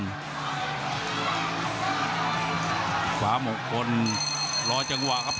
ขวามงคลรอจังหวะครับ